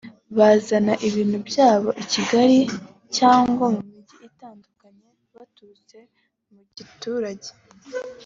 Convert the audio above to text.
bazana ibintu byabo i Kigali cyangwa mu mijyi itandukanye baturutse mu giturage